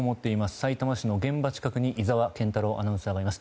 さいたま市の現場近くに井澤健太朗アナウンサーがいます。